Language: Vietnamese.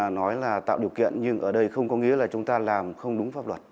nói là tạo điều kiện nhưng ở đây không có nghĩa là chúng ta làm không đúng pháp luật